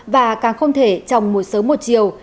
và càng không thể trong một sớm một chiều